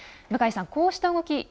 向井さん、こうした動き